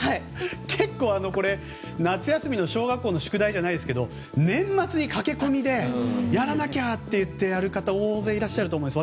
結構、夏休みの宿題じゃないですけど年末に駆け込みでやらなきゃ！とやる方が大勢いらっしゃると思います。